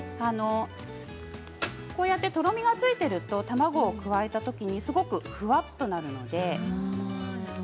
こうやって、とろみがついていると卵を加えたときにすごくふわっとなるので。